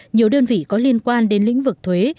nhiều đơn vị có liên quan đến lĩnh vực thuế